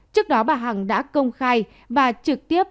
trước đó bà hằng đã công khai và trực tiếp